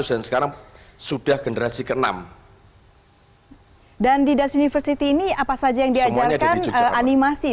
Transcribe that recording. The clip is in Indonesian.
lima puluh seratus dan sekarang sudah generasi keenam dan di das university ini apa saja yang diajarkan animasi